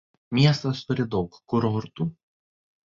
Miestas turi daug kurortų.